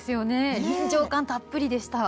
臨場感たっぷりでした。